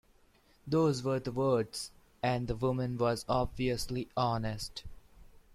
Those were the words, and the woman was obviously honest.